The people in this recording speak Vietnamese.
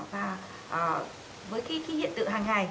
và với cái hiện tự hàng ngày